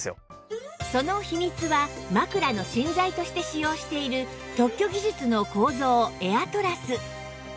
その秘密は枕の芯材として使用している特許技術の構造エアトラス